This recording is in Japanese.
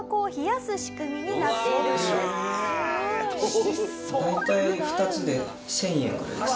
大体２つで１０００円ぐらいですかね。